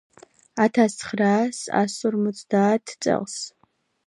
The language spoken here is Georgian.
ათასცხრაასორმოცდაათ წელს